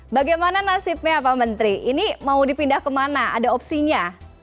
bagaimana nasibnya pak menteri ini mau dipindah kemana ada opsinya